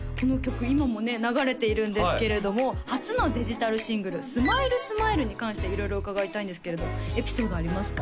今もね流れているんですけれども初のデジタルシングル「ＳＭｉＬＥＳＭｉＬＥ」に関して色々伺いたいんですけれどエピソードありますか？